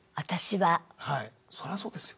はいそりゃそうですよ。